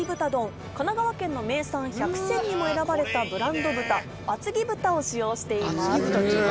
神奈川県の名産１００選にも選ばれたブランド豚あつぎ豚を使用しています。